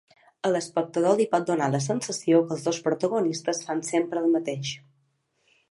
A l'espectador li pot donar la sensació que els dos protagonistes fan sempre el mateix.